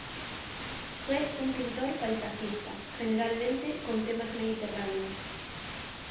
Fue un pintor paisajista, generalmente con temas mediterráneos.